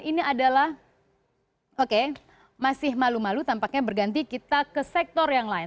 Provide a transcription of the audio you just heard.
ini adalah oke masih malu malu tampaknya berganti kita ke sektor yang lain